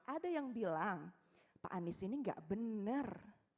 ada yang bilang pak anies ini nggak benar